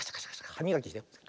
はみがきしてるの。